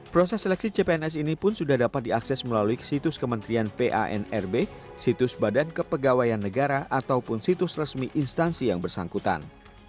proses seleksi cpns ini pun sudah dapat diakses melalui situs kementerian panrb situs badan kepegawaian negara ataupun situs resmi instansi yang bersangkutan